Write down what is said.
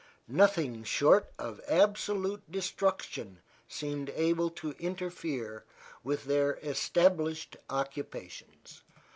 Nothing short of absolute destruction seemed able to interfere with their established occupations.